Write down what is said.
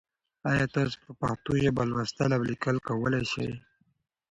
ایا تاسو په پښتو ژبه لوستل او لیکل کولای سئ؟